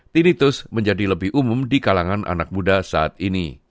tinitus menjadi lebih umum di kalangan anak muda saat ini